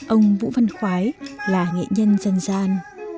ông vũ văn khoái là nghệ nhân dân gian